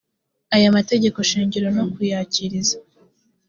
aya mategeko shingiro no kuyakurikiza